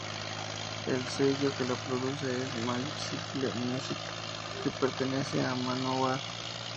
El sello que lo produce es Magic Circle Music, que pertenece a Manowar.